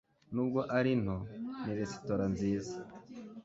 Nubwo ari nto, ni resitora nziza.